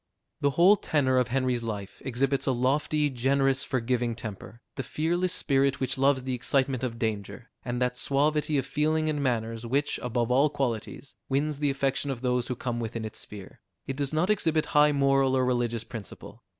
The whole tenor of Henry's life exhibits a lofty, generous, forgiving temper, the fearless spirit which loves the excitement of danger, and that suavity of feeling and manners, which, above all qualities, wins the affection of those who come within its sphere: it does not exhibit high moral or religious principle.